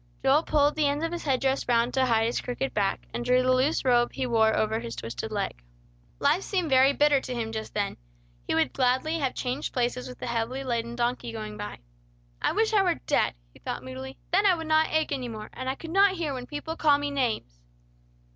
Joel pulled the ends of his head dress round to hide his crooked back, and drew the loose robe he wore over his twisted leg. Life seemed very bitter to him just then. He would gladly have changed places with the heavily laden donkey going by. "I wish I were dead," he thought moodily. "Then I would not ache any more, and I could not hear when people call me names!"